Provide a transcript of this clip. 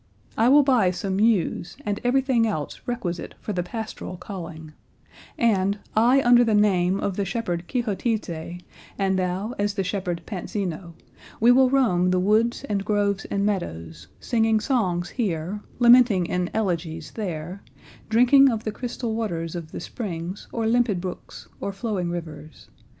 I will buy some ewes and everything else requisite for the pastoral calling; and, I under the name of the shepherd Quixotize and thou as the shepherd Panzino, we will roam the woods and groves and meadows singing songs here, lamenting in elegies there, drinking of the crystal waters of the springs or limpid brooks or flowing rivers.